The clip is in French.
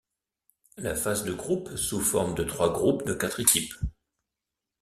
La phase de groupes sous forme de trois groupes de quatre équipes.